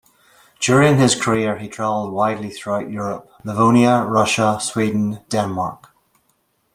During his career, he travelled widely throughout Europe - Livonia, Russia, Sweden, Denmark.